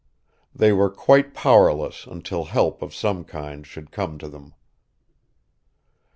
They were quite powerless until help of some kind should come to them.